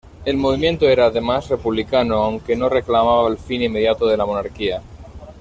El movimiento era, además, republicano, aunque no reclamaba el fin inmediato de la monarquía.